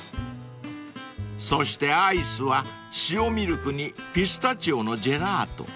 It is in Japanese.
［そしてアイスは塩ミルクにピスタチオのジェラート］